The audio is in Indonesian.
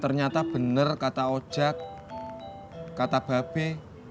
ternyata bener kata ojak kata babe